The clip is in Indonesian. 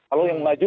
kalau yang maju